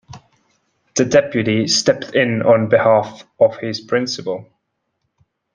The deputy stepped in on behalf of his principal.